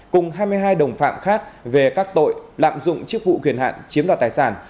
cùng hai mươi hai đồng phạm khác về các tội lạm dụng chức vụ quyền hạn chiếm đoạt tài sản